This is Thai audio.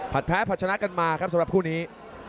แพ้ผลัดชนะกันมาครับสำหรับคู่นี้